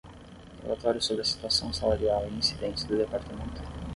Relatório sobre a situação salarial e incidentes do Departamento.